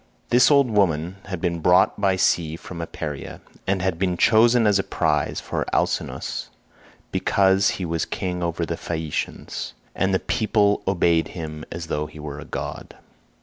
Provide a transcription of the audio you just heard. This old woman had been brought by sea from Apeira, and had been chosen as a prize for Alcinous because he was king over the Phaeacians, and the people obeyed him as though he were a god.